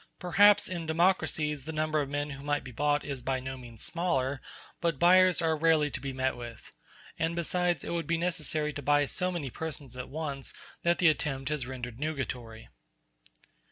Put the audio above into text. Perhaps in democracies the number of men who might be bought is by no means smaller, but buyers are rarely to be met with; and, besides, it would be necessary to buy so many persons at once that the attempt is rendered nugatory.